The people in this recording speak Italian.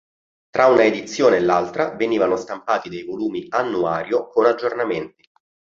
Tra una edizione e l'altra, venivano stampati dei volumi "Annuario" con aggiornamenti.